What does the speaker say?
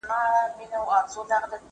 زه اجازه لرم چي لوښي وچوم،